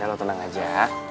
ya lo tenang aja